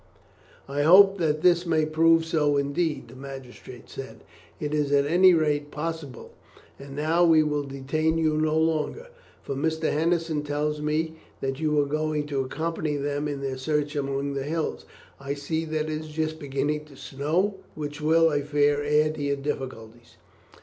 "I hope that this may prove so indeed," the magistrate said. "It is at any rate possible. And now we will detain you no longer, for Mr. Henderson told me that you were going to accompany them in their search among the hills. I see that it is just beginning to snow, which will, I fear, add to your difficulties."